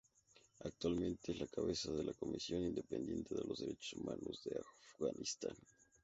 Actualmente es la cabeza de la Comisión Independiente de Derechos Humanos de Afganistán.